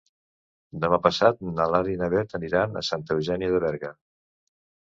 Demà passat na Lara i na Beth aniran a Santa Eugènia de Berga.